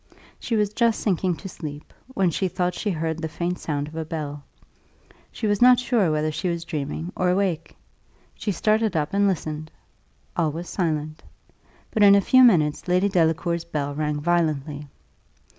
She was just sinking to sleep, when she thought she heard the faint sound of a bell. She was not sure whether she was dreaming or awake. She started up and listened. All was silent. But in a few minutes Lady Delacour's bell rang violently.